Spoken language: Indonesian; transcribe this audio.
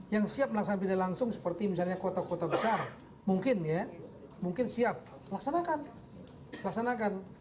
yang siap melaksanakan pilihan langsung seperti misalnya kota kota besar mungkin ya mungkin siap laksanakan laksanakan